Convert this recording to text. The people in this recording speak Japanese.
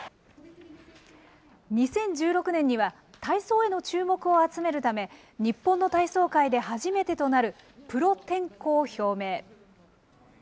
２０１６年には、体操への注目を集めるため、日本の体操界で初めてとなるプロ転向を表明。